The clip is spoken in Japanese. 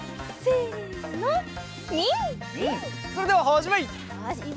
それでははじめい！